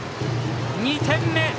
２点目！